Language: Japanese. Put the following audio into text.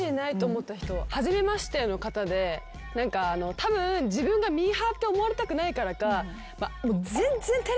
初めましての方でたぶん自分がミーハーって思われたくないからか。